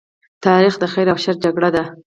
تاریخ د خیر او شر جګړه ده.